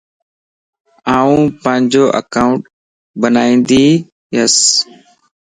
آن پانجو اڪائونٽ بنائيندياس